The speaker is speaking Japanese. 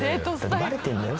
バレてんだよ